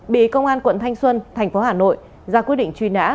bị công an quận thanh xuân thành phố hà nội ra quyết định truy nã